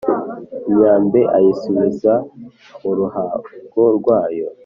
imyambi ayisubiza muruhago rwayo